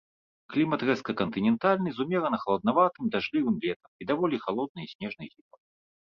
Клімат рэзка-кантынентальны з умерана-халаднаватым, дажджлівым летам і даволі халоднай і снежнай зімой.